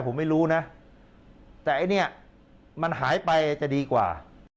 ผมไม่รู้นะแต่ไอ้เนี่ยมันหายไปจะดีกว่า